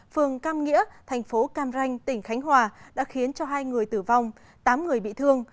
phường cam nghĩa thành phố cam ranh tỉnh khánh hòa đã khiến cho hai người tử vong tám người bị thương